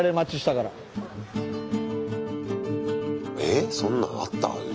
えっそんなんあった？